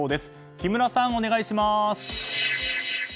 木村さん、お願いします！